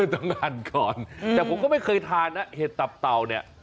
ตั้งนานก่อนแต่ผมก็ไม่เคยทานนะเห็ดตับเต่าเนี่ย